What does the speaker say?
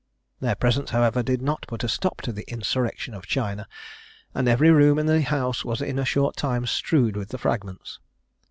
Their presence, however, did not put a stop to the insurrection of china, and every room in the house was in a short time strewed with the fragments.